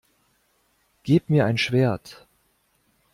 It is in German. Gebt mir ein Schwert!